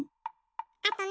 あとね